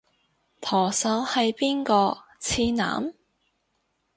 舵手係邊個？次男？